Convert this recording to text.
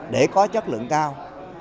để có chất lượng cao